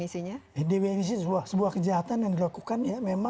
sebuah kejahatan yang dilakukan